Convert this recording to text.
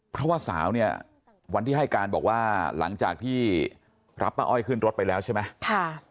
เพราะว่าสาวเนี่ยวันที่ให้การบอกว่าหลังจากที่รับป้าอ้อยขึ้นรถไปแล้วใช่ไหม